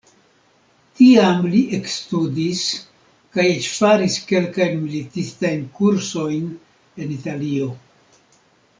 Tiam li ekstudis kaj eĉ faris kelkajn militistajn kursojn en Italio.